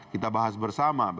kita bahas bersama